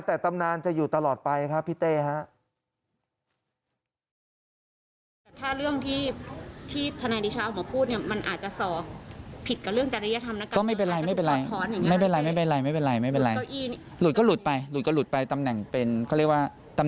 แต่ตำนานจะอยู่ตลอดไปครับพี่เต้ฮะ